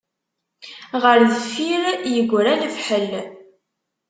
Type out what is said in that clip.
Ɣer deffir yegra lefḥel.